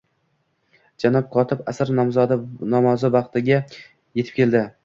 Janob kotib asr namozi vaqtiga etib keldi